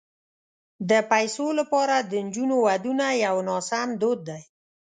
د پيسو لپاره د نجونو ودونه یو ناسم دود دی.